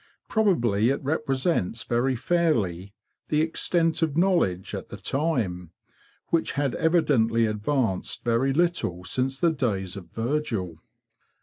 Probably it represents very fairly the extent of knowledge at the time, which had evidently advanced very little since the days of Virgil.